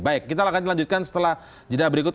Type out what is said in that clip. baik kita akan lanjutkan setelah jeda berikut